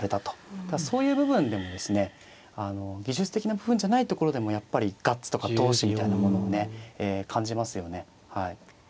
そういう部分でもですねあの技術的な部分じゃないところでもやっぱりガッツとか闘志みたいなものをね感じますよね。